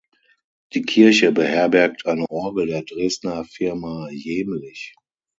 Die Kirche beherbergt eine Orgel der Dresdener Firma Jehmlich.